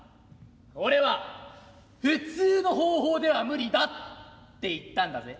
俺は普通の方法では無理だって言ったんだぜ？」。